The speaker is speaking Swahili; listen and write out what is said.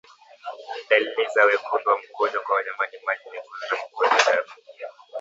Dalili za wekundu wa mkojo kwa wanyama ni maji mekundu na mkojo damu